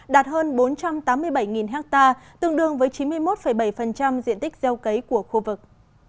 đạt hơn bốn trăm tám mươi bảy ha tương đương với chín mươi một bảy diện tích gieo cấy của khu vực